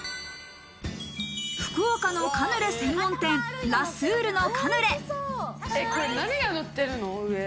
福岡のカヌレ専門店ラ・スールのカヌレ。